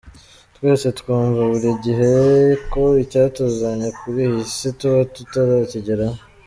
Twese twumva buri gihe ko icyatuzanye kuri iyi si tuba tutarakigeraho.